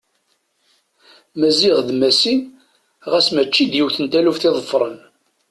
Maziɣ d Massi ɣas mačči d yiwet n taɣult i ḍeffren.